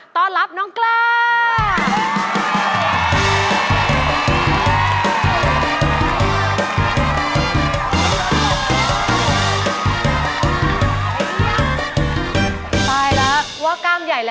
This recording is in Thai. ต้อนรับน้องกล้า